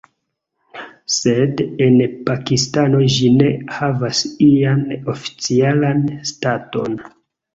Sed en Pakistano ĝi ne havas ian oficialan staton.